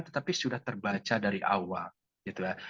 tetapi sudah terbaca dari awal gitu ya